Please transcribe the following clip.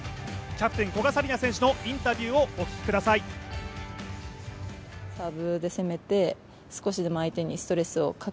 キャプテン・古賀紗理那選手のインタビューをお聞きください。